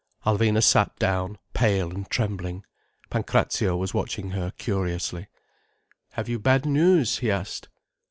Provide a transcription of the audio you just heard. Alvina sat down, pale and trembling. Pancrazio was watching her curiously. "Have you bad news?" he asked.